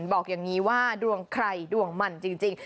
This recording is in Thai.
บอกอย่างนี้ว่าดวงใครดวงมันจริง